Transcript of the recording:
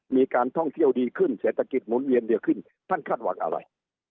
มีการท่องเที่ยวดีขึ้นเศรษฐกิจหมุนเวียนเยอะขึ้นท่านคาดหวังอะไร